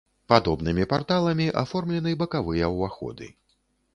Падобнымі парталамі аформлены бакавыя ўваходы.